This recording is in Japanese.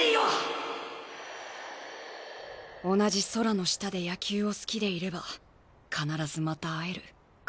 心の声同じ空の下で野球を好きでいれば必ずまた会えるか。